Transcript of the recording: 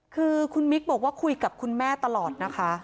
คือคุณมิ๊กบอกว่าคุยกับคุณแม่ตลอดนะคะ